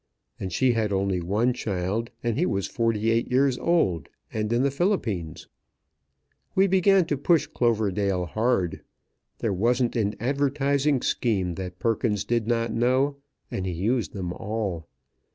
And she had only one child, and he was forty eight years old, and in the Philippines. We began to push Cloverdale hard. There wasn't an advertising scheme that Perkins did not know, and he used them all.